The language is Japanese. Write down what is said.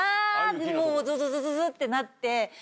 もうゾゾゾってなって。